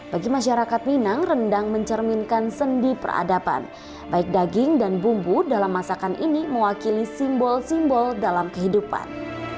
bagi masyarakat minang rendang mencerminkan sendi peradaban baik daging dan bumbu dalam masakan ini mewakili simbol simbol dalam kehidupan